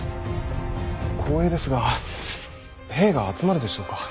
光栄ですが兵が集まるでしょうか。